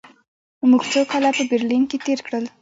موږ څو کاله په برلین کې تېر کړل